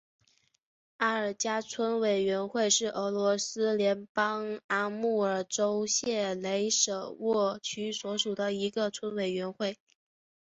阿尔加村委员会是俄罗斯联邦阿穆尔州谢雷舍沃区所属的一个村委员会。